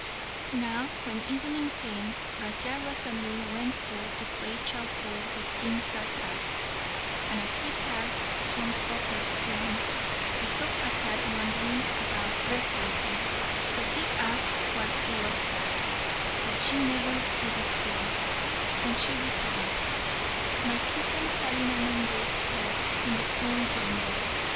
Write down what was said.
Now, when evening came, Raja Rasalu went forth to play chaupur with King Sarkap, and as he passed some potters' kilns he saw a cat wandering about restlessly; so he asked what ailed her, that she never stood still, and she replied, "My kittens are in an unbaked pot in the kiln yonder.